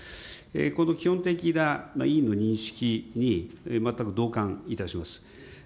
この基本的な委員の認識に全く同感いたします。